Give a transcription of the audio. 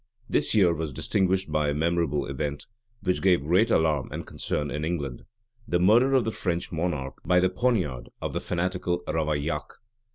[] This year was distinguished by a memorable event, which gave great alarm and concern in England; the murder of the French monarch by the poniard of the fanatical Ravaillac.